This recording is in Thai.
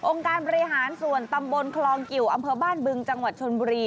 การบริหารส่วนตำบลคลองกิวอำเภอบ้านบึงจังหวัดชนบุรี